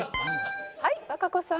はい和歌子さん。